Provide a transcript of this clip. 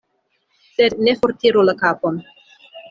Sed ne fortiru la kapon.